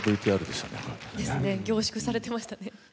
ですね凝縮されてましたね。